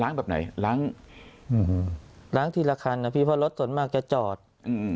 ล้างแบบไหนล้างล้างทีละคันอ่ะพี่เพราะรถส่วนมากจะจอดอืม